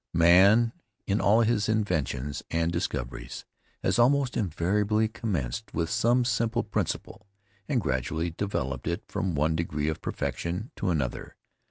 Man, in all his inventions and discoveries, has almost invariably commenced with some simple principle, and gradually developed it from one degree of perfection to another.